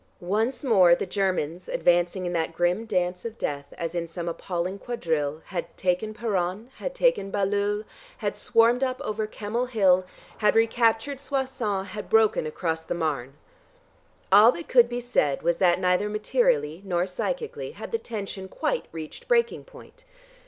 Once more the Germans advancing in that grim dance of death as in some appalling quadrille had taken Peronne, had taken Bailleul, had swarmed up over Kemmel Hill, had recaptured Soissons, had broken across the Marne. All that could be said was that neither materially nor psychically had the tension quite reached breaking point.